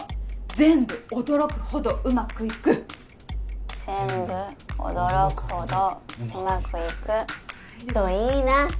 全部驚くほどうまくいく全部驚くほどうまくいくといいな！